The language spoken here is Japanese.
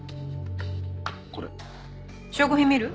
証拠品見る？